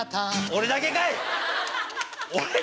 俺だけかよ！